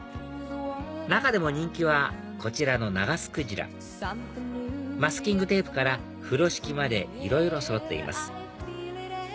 中でも人気はこちらのナガスクジラマスキングテープから風呂敷までいろいろそろっています